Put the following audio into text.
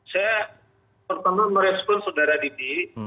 saya pertama merespon saudara didi